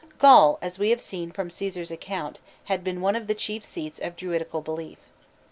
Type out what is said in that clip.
Gaul, as we have seen from Cæsar's account, had been one of the chief seats of Druidical belief.